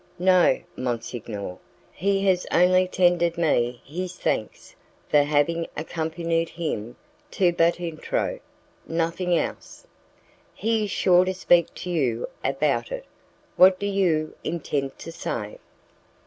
"No, monsignor, he has only tendered me his thanks for having accompanied him to Butintro, nothing else." "He is sure to speak to you about it. What do you intend to say?"